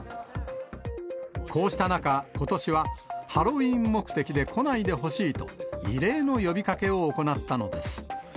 こうした中、ことしはハロウィーン目的で来ないでほしいと、異例の呼びかけを行ったのです。